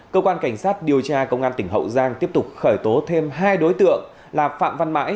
cơ quan cảnh sát điều tra công an tỉnh hậu giang tiếp tục khởi tố thêm hai đối tượng là phạm văn mãi